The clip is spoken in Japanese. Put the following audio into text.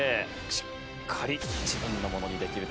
しっかり自分のものにできるでしょうか？